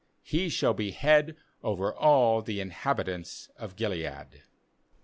he shall be head over all the inhabitants of Gilead.'